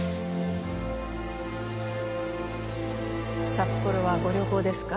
札幌はご旅行ですか？